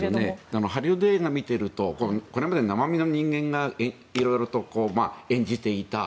ハリウッド映画を見ているとこれまで生身の人間が色々演じていた。